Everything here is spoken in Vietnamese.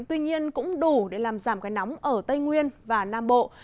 tuy nhiên cũng đủ để làm giảm cái nóng ở tây nguyên và nam bộ